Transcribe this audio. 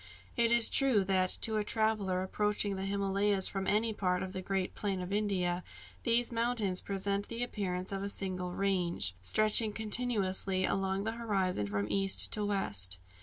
It is true that, to a traveller approaching the Himalayas from any part of the great plain of India, these mountains present the appearance of a single range, stretching continuously along the horizon from east to west.